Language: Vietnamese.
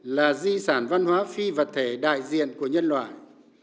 là di sản văn hóa phi vật thể đại diện của nhân loại